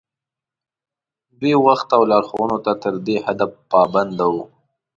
دوی وخت او لارښوونو ته تر دې حده پابند وو.